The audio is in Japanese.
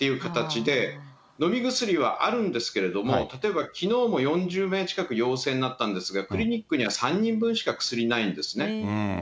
逆に肺炎があれば、レムデシビルを早急に投与してっていう形で、飲み薬はあるんですけれども、例えばきのうも４０名近く、陽性になったんですが、クリニックには３人分しか薬ないんですね。